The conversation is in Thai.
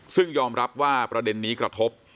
ซึ่งยอมรับว่าประเด็นนี้กระทบ